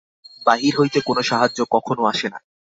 বাহির হইতে কোন সাহায্য কখনও আসে না।